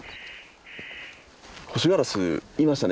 ホシガラスいましたね